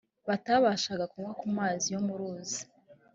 batabashaga kunywa ku mazi yo mu ruzi